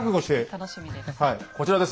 楽しみです。